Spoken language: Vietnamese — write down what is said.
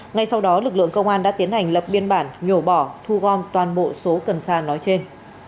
ngay sau đó lực lượng công an đã tiến hành lập biên bản nhổ bỏ thu gom toàn bộ số cần sa nói trên